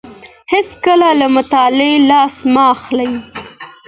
هيڅکله له مطالعې لاس مه اخلئ.